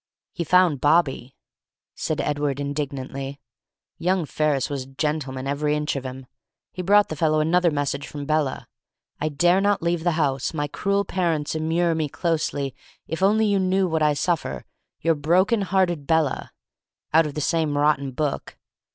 "He found Bobby," said Edward, indignantly. "Young Ferris was a gentleman, every inch of him. He brought the fellow another message from Bella: 'I dare not leave the house. My cruel parents immure me closely If you only knew what I suffer. Your broken hearted Bella.' Out of the same rotten book.